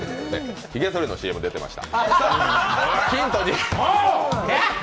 ひげそりのＣＭ出てました。